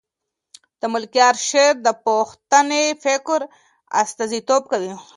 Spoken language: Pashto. د ملکیار شعر د پښتني فکر استازیتوب کوي.